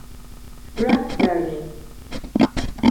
Ralph Darling